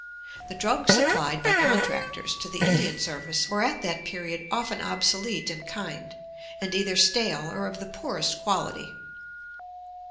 The drugs supplied by contractors to the Indian service were at that period often obsolete in kind, and either stale or of the poorest quality.